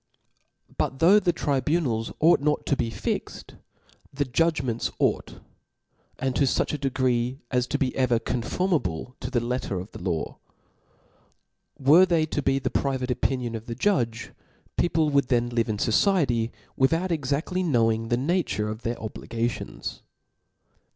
But though the tribunals ought not to be fixt, the judgments ought ; and to fuch a degree as to be ever conformable to the letter of the law. Were they to be the private opinion of the judge, peo ple would then live in fociety, without exadly knowingthe nature of their obligations.